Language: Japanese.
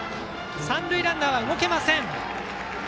三塁ランナー、動けません。